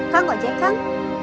kang ojek kan